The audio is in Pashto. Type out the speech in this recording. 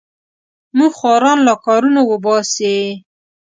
موږ خواران له کارونو وباسې.